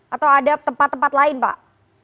atau ada tempat tempat lain pak